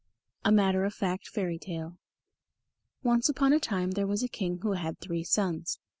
A MATTER OF FACT FAIRY TALE Once upon a time there was a King who had three sons.